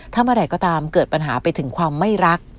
ถ้าเมื่อไหร่ก็ตามเกิดปัญหาไปถึงความไม่รัก